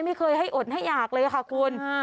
ไม่เคยให้อดให้อยากเลยค่ะคุณ